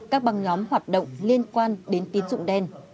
các băng nhóm hoạt động liên quan đến tín dụng đen